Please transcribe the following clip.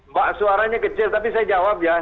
mbak suaranya kecil tapi saya jawab ya